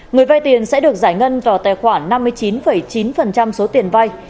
người vai tiền sẽ được giải ngân vào tài khoản năm mươi chín chín số tiền vai